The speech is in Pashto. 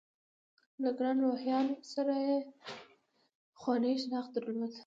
له ګران روهیال سره یې پخوانی شناخت درلود.